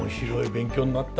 勉強になった。